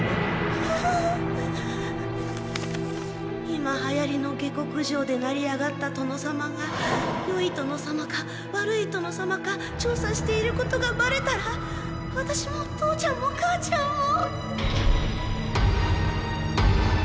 今はやりの下克上でなり上がった殿様がよい殿様か悪い殿様か調査していることがばれたらワタシも父ちゃんも母ちゃんも。